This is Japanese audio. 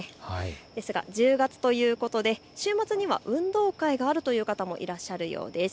ですが、１０月ということで週末には運動会があるという方もいらっしゃるようです。